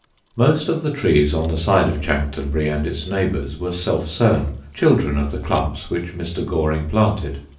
Most of the trees on the side of Chanctonbury and its neighbours were self sown, children of the clumps which Mr. Goring planted.